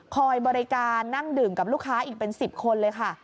บริการนั่งดื่มกับลูกค้าอีกเป็น๑๐คนเลยค่ะ